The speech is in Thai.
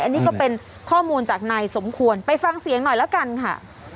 อันนี้ก็เป็นข้อมูลจากนายสมควรไปฟังเสียงหน่อยแล้วกันค่ะ